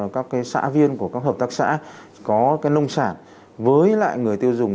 các xã viên của các hợp tác xã có nông sản với lại người tiêu dùng